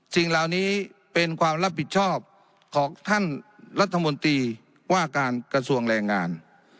สิ่งเหล่านี้เป็นความรับผิดชอบของท่านรัฐมนตรีว่าการกระทรวงแรงงาน